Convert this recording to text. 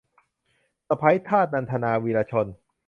สะใภ้ทาส - นันทนา วีระชน